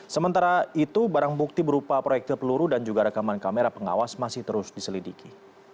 sementara itu barang bukti berupa proyekte peluru dan juga rekaman kamera pengawas masih terus diselidiki